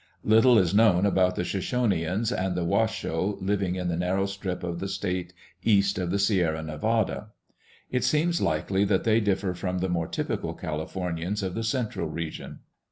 Little is known about the Shosh oneans and the Washo living in the narrow strip of the state east of the Sierra Nevada. It seems likely that they differ from the more typical Calif ornians of the central region.